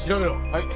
はい。